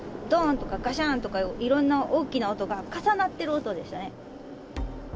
どーんとか、がしゃーんとか、いろんな大きな音が重なってる音でしたね。